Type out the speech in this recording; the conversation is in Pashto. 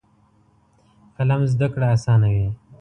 قلم زده کړه اسانوي.